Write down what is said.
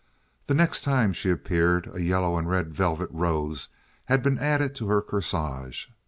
The next time she appeared a yellow and red velvet rose had been added to her corsage.